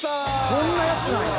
そんなやつなんや。